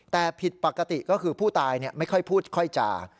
แต่ผิดปกติก็คือผู้ตายไม่ค่อยพูดค่อยจ่า